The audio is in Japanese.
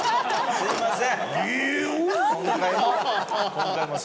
すみません。